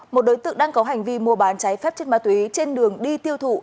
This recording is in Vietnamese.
một đối tượng đang có hành vi mua bán cháy phép chất ma túy trên đường đi tiêu thụ